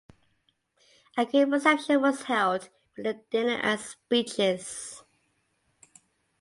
A great reception was held with a dinner and speeches.